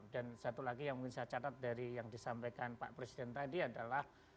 dan satu lagi yang mungkin saya catat dari yang disampaikan pak presiden tadi adalah